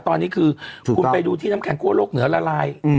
ตอนนี้คือคุณไปดูที่น้ำแข็งคั่วโลกเหนือละลาย